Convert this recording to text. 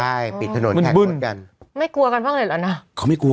ใช่ปิดถนนขายดีเหมือนกันไม่กลัวกันบ้างเลยเหรอนะเขาไม่กลัว